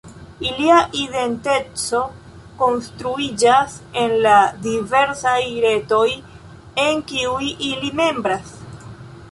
Ilia identeco konstruiĝas en la diversaj retoj en kiuj ili membras.